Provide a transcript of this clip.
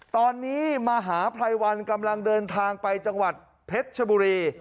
ตอนนี้มหาภัยวันกำลังเดินทางไปจังหวัดเพชรชบุรี